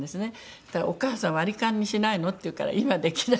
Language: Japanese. そしたら「お母さん割り勘にしないの？」って言うから「今できない。